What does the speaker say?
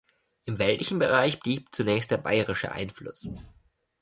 Im weltlichen Bereich blieb zunächst der bairische Einfluss.